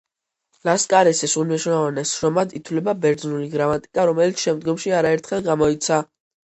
ლასკარისის უმნიშვნელოვანეს შრომად ითვლება „ბერძნული გრამატიკა“, რომელიც შემდგომში არაერთხელ გამოიცა.